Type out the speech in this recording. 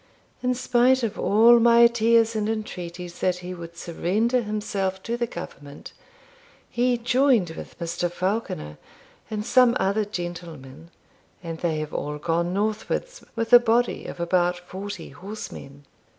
In spite of all my tears and entreaties that he would surrender himself to the government, he joined with Mr. Falconer and some other gentlemen, and they have all gone northwards, with a body of about forty horsemen.